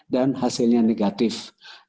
dan hasilnya juga telah dilakukan